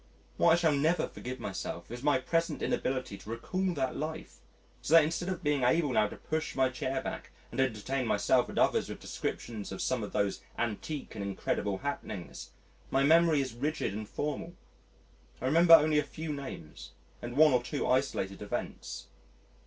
What I shall never forgive myself is my present inability to recall that life, so that instead of being able now to push my chair back and entertain myself and others with descriptions of some of those antique and incredible happenings, my memory is rigid and formal: I remember only a few names and one or two isolated events.